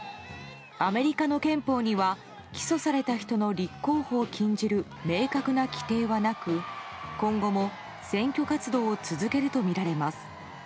アメリカの憲法には起訴された人の立候補を禁じる明確な規定はなく今後も選挙活動を続けるとみられます。